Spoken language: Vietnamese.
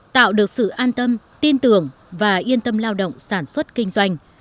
tạo được sự an tâm tin tưởng và yên tâm lao động sản xuất kinh doanh